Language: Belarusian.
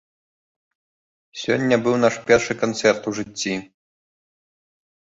Сёння быў наш першы канцэрт ў жыцці.